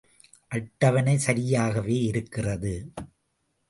அட்டவணை சரியாகவே இருக்கிறது.